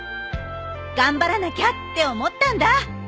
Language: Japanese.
頑張らなきゃって思ったんだ！